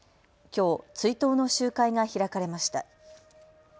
きょう追悼の集会が開かれました。